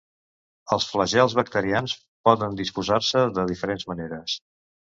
Els flagels bacterians poden disposar-se de diferents maneres.